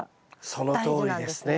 そのとおりですね。